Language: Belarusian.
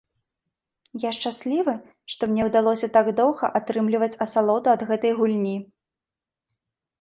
Я шчаслівы, што мне ўдалося так доўга атрымліваць асалоду ад гэтай гульні!